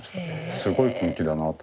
すごい根気だなあと。